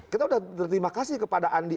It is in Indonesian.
kita sudah terima kasih kepada andi